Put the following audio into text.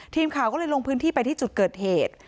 ทีมข่าวก็เลยลงพื้นที่ไปที่จุดเกิดเหตุ